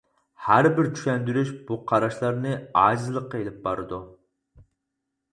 ھەر بىر چۈشەندۈرۈش بۇ قاراشلارنى ئاجىزلىققا ئىلىپ بارىدۇ.